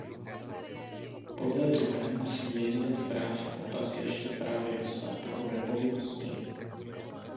Podle druhé musí jedinec brát v potaz ještě právě rozsah takové povinnosti.